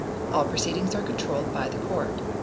All proceedings are controlled by the Court.